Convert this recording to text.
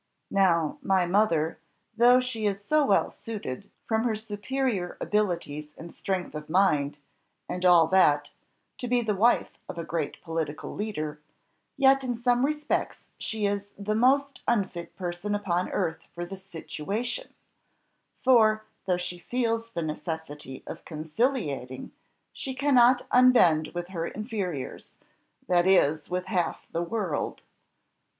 Now, my mother, though she is so well suited, from her superior abilities and strength of mind, and all that, to be the wife of a great political leader, yet in some respects she is the most unfit person upon earth for the situation; for, though she feels the necessity of conciliating, she cannot unbend with her inferiors, that is, with half the world.